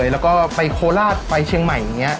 แล้วก็ไปโคราชไปเชียงใหม่อย่างนี้